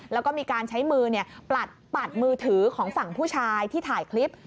แล้วก็มีการใช้มือปัดมือถือของฝั่งผู้ชายที่ถ่ายคลิป